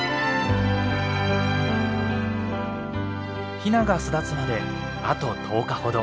ヒナが巣立つまであと１０日ほど。